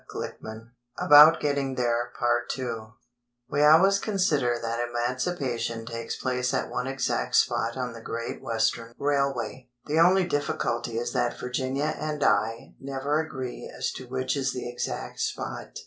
II About Getting There WE always consider that emancipation takes place at one exact spot on the Great Western Railway; the only difficulty is that Virginia and I never agree as to which is the exact spot.